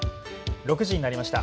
６時になりました。